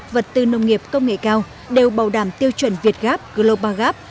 vật tư nông nghiệp công nghệ cao đều bảo đảm tiêu chuẩn việt gap global gap